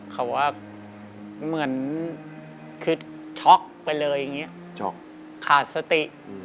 เขาว่าเหมือนคือช็อกไปเลยอย่างนี้ช็อกขาดสติ